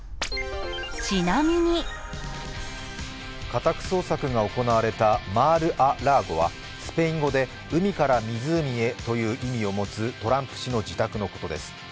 家宅捜索が行われたマール・ア・ラーゴはスペイン語で「海から湖へ」という意味を持つトランプ氏の自宅のことです。